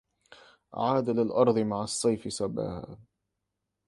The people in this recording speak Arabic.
عاد للأرض مع الصيف صباها